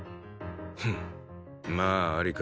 フンまあアリか。